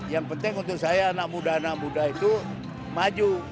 yang penting untuk saya anak muda anak muda itu maju